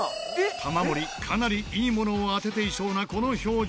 玉森かなりいいものを当てていそうなこの表情。